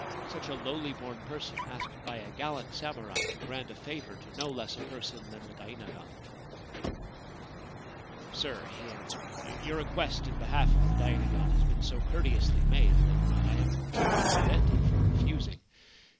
Such a lowly born person, asked by a gallant samurai to grant a favour to no less a person than the dainagon !' Sir,' he answered, * your request in behalf of the dainagon has been so courteously made that I am com pletely prevented from refusing.